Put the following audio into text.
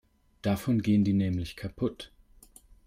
Davon gehen die nämlich kaputt.